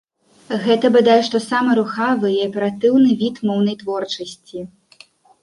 Гэта бадай што самы рухавы і аператыўны від моўнай творчасці.